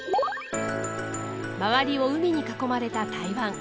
周りを海に囲まれた台湾。